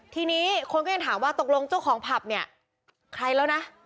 ทีนี้คนก็ยังถามว่าตกลงเจ้าของผับเนี่ยใครแล้วนะ